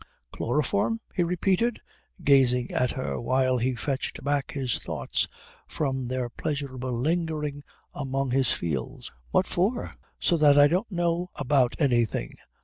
"Chloroform?" he repeated, gazing at her while he fetched back his thoughts from their pleasurable lingering among his fields. "What for?" "So that I don't know about anything.